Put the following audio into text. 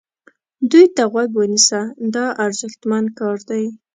دوی ته غوږ ونیسه دا ارزښتمن کار دی.